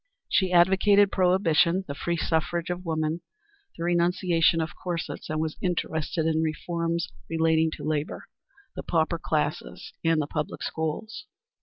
She advocated prohibition, the free suffrage of woman, the renunciation of corsets, and was interested in reforms relating to labor, the pauper classes and the public schools.